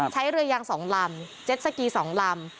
ใช้เรือยาง๒ลำเจ็ดสกี๒ลำ